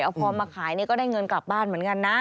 เอาพอมาขายก็ได้เงินกลับบ้านเหมือนกันนะ